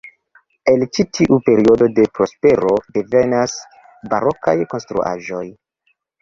El ĉi tiu periodo de prospero devenas barokaj konstruaĵoj.